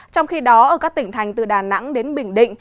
trong khi đó ở các tỉnh thành từ đà nẵng đến bình định